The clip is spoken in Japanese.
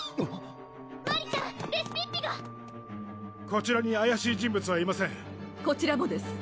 こちらにあやしい人物はいませんこちらもです